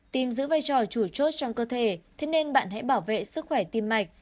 tìm giữ vai trò chủ chốt trong cơ thể thế nên bạn hãy bảo vệ sức khỏe tim mạch